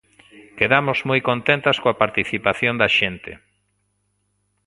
Quedamos moi contentas coa participación da xente.